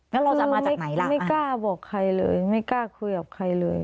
แล้วเราจะมาจากไหนล่ะไม่กล้าบอกใครเลยไม่กล้าคุยกับใครเลย